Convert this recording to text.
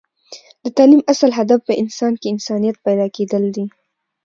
د تعلیم اصل هدف په انسان کې انسانیت پیدا کیدل دی